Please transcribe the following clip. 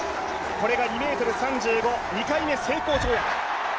これが２ｍ３５、２回目、成功跳躍。